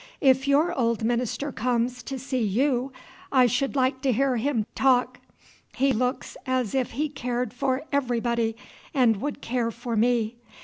If your old minister comes to see you, I should like to hear him talk. He looks as if he cared for everybody, and would care for me.